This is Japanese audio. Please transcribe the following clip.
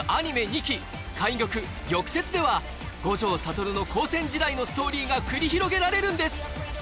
２期「懐玉・玉折」では五条悟の高専時代のストーリーが繰り広げられるんです！